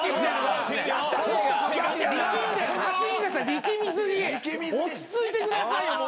力み過ぎ落ち着いてくださいよもっと。